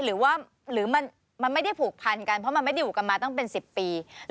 หรือมันไม่ได้ผูกพันกันเพราะมันไม่ได้อยู่กันมาตั้งเป็น๑๐ปี